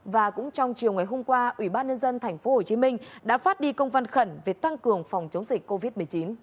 và cũng trong chiều ngày hôm qua ủy ban nhân dân tp hcm đã phát đi công văn khẩn về tăng cường phòng chống dịch covid một mươi chín